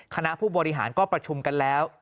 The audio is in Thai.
คณะผู้บริหารก็ประชุมกันแล้ว